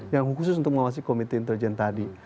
yang khusus untuk mengawasi komite intelijen tadi